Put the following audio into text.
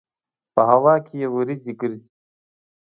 په هوا کې یې وريځې ګرځي.